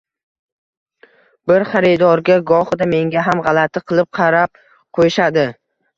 bir xaridorga, goxida menga ham g’alati qilib qarab qo’yishadi.